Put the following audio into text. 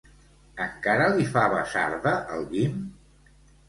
Encara li fa basarda al Guim?